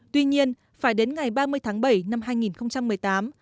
tuy nhiên phải đến ngày ba mươi tháng bảy năm hai nghìn một mươi tám